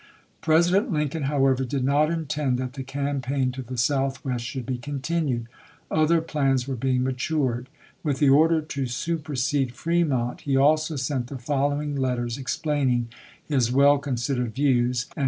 President Lincoln, however, did not intend that the campaign to the southwest should be continued. Other plans were being matured. With the order to supersede Fremont he also sent the following MILITAEY EMANCIPATION 437 letters, explaining his well considered views and ch.